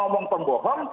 siapa yang berbohong